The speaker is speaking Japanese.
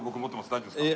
大丈夫ですか？